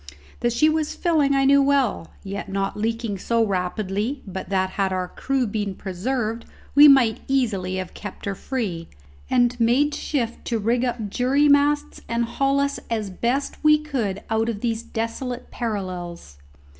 That she was filling I knew well, yet not leaking so rapidly but that, had our crew been preserved, we might easily have kept her free, and made shift to rig up jury masts and haul us as best we could out of these desolate parallels.